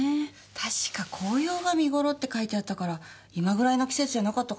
確か紅葉が見頃って書いてあったから今ぐらいの季節じゃなかったかなぁ。